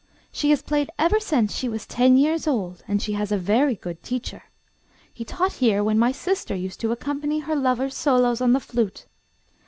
She has played ever since she was ten years old, and she has a very good teacher. He taught here when my sister used to accompany her lover's solos on the flute.